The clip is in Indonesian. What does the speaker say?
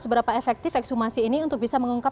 seberapa efektif ekshumasi ini untuk bisa mengungkap